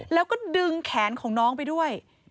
แล้วก็ดึงแขนของน้องไปด้วย